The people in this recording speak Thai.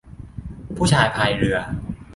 ผู้ชายพายเรือ